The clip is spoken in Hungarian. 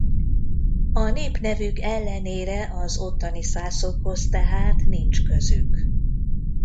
A népnevük ellenére az ottani szászokhoz tehát nincs közük.